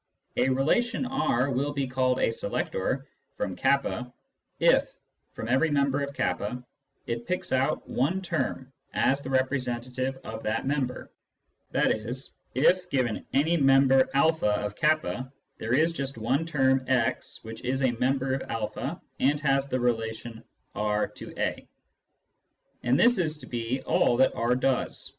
A relation R will be called a " selector " from k if, from every member of k, it picks out one term as the representative of that member, i.e. if, given any member a of k, there is just one term x which is a member of o and has the relation Rtoo; and this is to be all that R does.